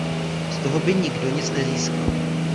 Z toho by nikdo nic nezískal.